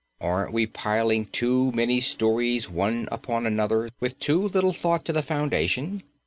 Aren't we piling too many stories one upon another with too little thought to the foundation?"